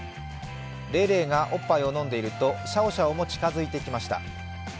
レイレイがおっぱいを飲んでいるとシャオシャオも近づいてきました。